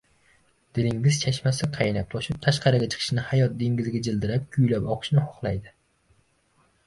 Dilingiz chashmasi qaynab-toshib, tashqariga chiqishni, hayot dengiziga jildirab, kuylab oqishni xohlaydi.